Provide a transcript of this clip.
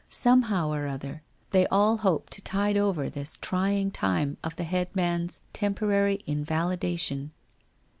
Somehow or other, they all hoped to tide over this trying time of the head man's temporary invalidation.